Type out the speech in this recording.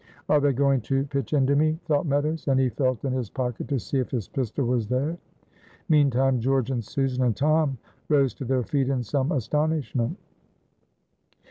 "Are they going to pitch into me?" thought Meadows; and he felt in his pocket to see if his pistol was there. Meantime, George and Susan and Tom rose to their feet in some astonishment.